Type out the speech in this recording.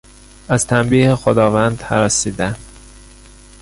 از تنبیه خداوند هراسیدن